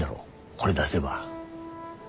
これ出せば。